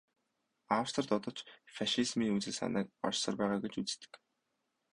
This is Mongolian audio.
Австрид одоо ч фашизмын үзэл санаа оршсоор байгаа гэж тэр үздэг.